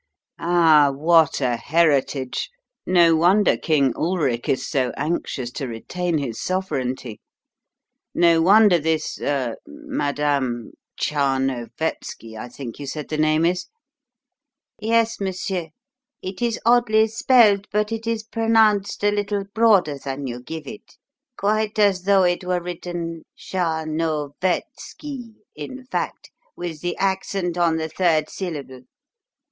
"Ah, what a heritage! No wonder King Ulric is so anxious to retain his sovereignty; no wonder this er Madame Tcharnovetski, I think you said the name is " "Yes, monsieur. It is oddly spelled, but it is pronounced a little broader than you give it quite as though it were written Shar no vet skee, in fact, with the accent on the third syllable."